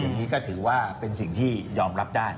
อย่างนี้ก็ถือว่าเป็นสิ่งที่ยอมรับได้